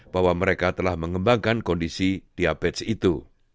bahwa mereka telah mengembangkan kondisi diabetes itu